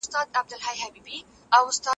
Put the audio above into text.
ځوانان په ټولنه کې د مثبت بدلون راوستلو توان لري.